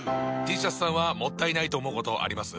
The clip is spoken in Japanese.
Ｔシャツさんはもったいないと思うことあります？